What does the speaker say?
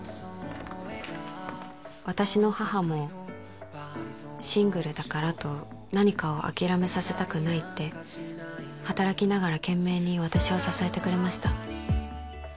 私の母もシングルだからと何かを諦めさせたくないって働きながら懸命に私を支えてくれました